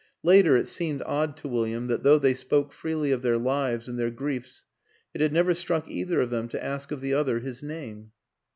Later it seemed odd to William that though they spoke freely of their lives and their griefs it had never struck either of them to ask of the other his name.